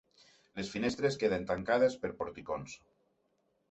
Les finestres queden tancades per porticons.